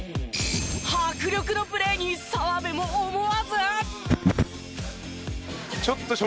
迫力のプレーに澤部も思わず。